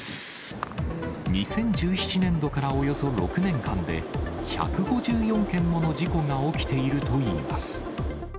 ２０１７年度からおよそ６年間で、１５４件もの事故が起きているといいます。